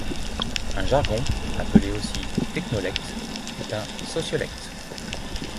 Un jargon, appelé aussi technolecte, est un sociolecte.